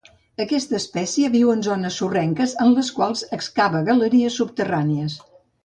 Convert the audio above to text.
Aquesta espècie viu en zones sorrenques en les quals excava galeries subterrànies.